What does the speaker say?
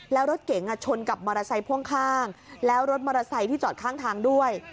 แล้วรถเก๋งชนกับมอเตอร์ไซค์พ่วงข้างแล้วรถมอเตอร์ไซค์ที่จอดข้างทางด้วย